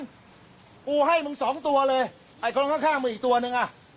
กูให้มึงสองตัวเลยไอ้คนข้างข้างมึงอีกตัวนึงอ่ะ